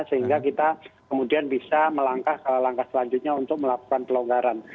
sehingga kita kemudian bisa melangkah selanjutnya untuk melakukan pelonggaran